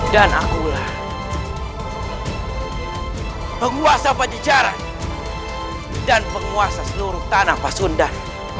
dan akulah penguasa pancejaran dan penguasa seluruh tanah pasundan